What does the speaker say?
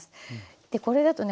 でこれだとね